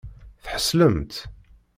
Tḥeṣlemt?